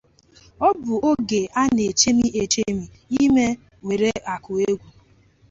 Ọ bụ oge a na-echemi echiche ime were akụ egwu